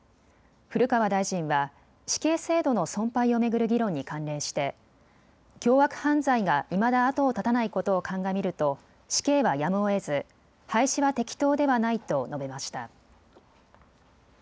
古川大臣は死刑制度の存廃を巡る議論に関連して凶悪犯罪がいまだ後を絶たないことを鑑みると死刑はやむをえず廃止は適当ではないと述べました。